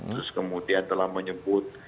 terus kemudian telah menyebut